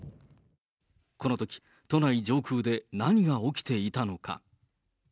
このとき、都内上空で何が起きていたのか。